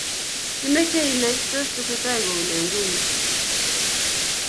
imeche inai tos tesetai kou nee nguni?